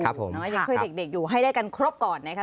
ยังค่อยเด็กอยู่ให้ได้กันครบก่อนนะครับ